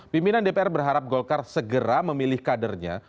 pimpinan dpr berharap golkar segera memilih kadernya